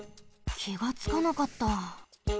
きがつかなかった。